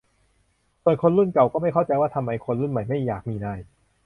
ส่วนคนรุ่นเก่า ก็ไม่เข้าใจว่าทำไมคนรุ่นใหม่ไม่อยากมีนาย